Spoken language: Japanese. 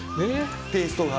テーストが。